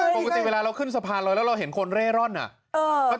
ปกติเวลาเราขึ้นสะพานลอยแล้วเราเห็นคนเร่ร่อนอ่ะ